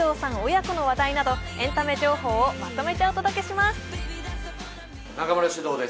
親子の話題などエンタメ情報をまとめてお届けします。